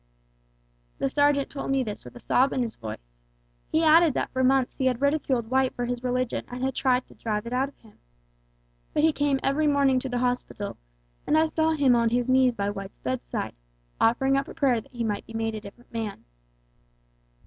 "The sergeant told me this with a sob in his voice; he added that for months he had ridiculed White for his religion and tried to drive it out of him. But he came every morning to the hospital, and I saw him on his knees by White's bedside, offering up a prayer that he might be made a different man.